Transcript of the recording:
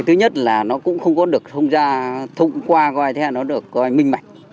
thứ nhất là nó cũng không có được thông qua nó được coi minh mạnh